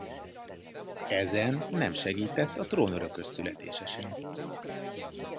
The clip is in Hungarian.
Ezen nem segített a trónörökös születése sem.